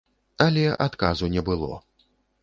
Але адказу не было.